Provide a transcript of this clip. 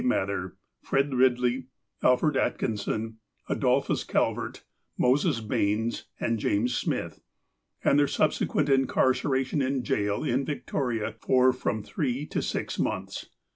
Mather, Fred Eidley, Alfred Atkinson, Adolphus Calvert, Moses Baines, and James Smith, and their sub sequent incarceration in jail in Victoria for from three to six months.